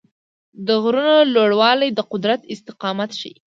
د غرونو لوړوالی د قدرت استقامت ښيي.